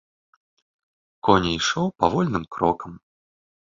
Конь ішоў павольным крокам.